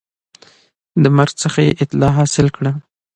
د مرګ څخه یې اطلاع حاصل کړه